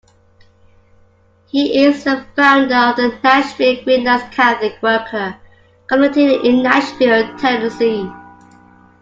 He is the founder of the Nashville Greenlands Catholic Worker community in Nashville, Tennessee.